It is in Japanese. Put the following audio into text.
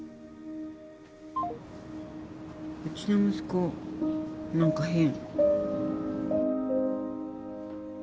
うちの息子何か変。